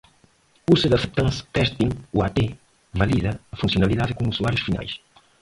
User Acceptance Testing (UAT) valida a funcionalidade com usuários finais.